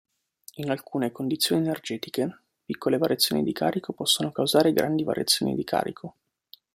In alcune condizioni energetiche, piccole variazioni di carico, possono causare gradi variazioni di carico.